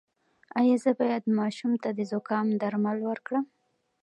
ایا زه باید ماشوم ته د زکام درمل ورکړم؟